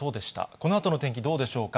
このあとの天気、どうでしょうか。